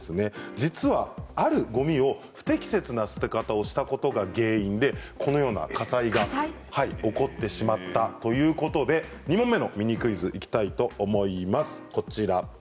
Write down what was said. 実はあるごみを不適切な捨て方をしたことが原因でこのような火災が起こってしまったということで２問目のミニクイズにいきたいと思います。